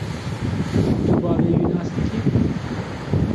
Tu bavê wî nas dikî?